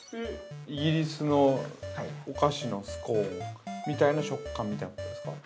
◆イギリスのお菓子のスコーンみたいな食感みたいなことですか。